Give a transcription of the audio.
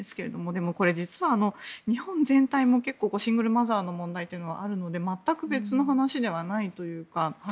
でもこれ実は日本全体も結構シングルマザーの問題はあるので全く別の話ではないというか。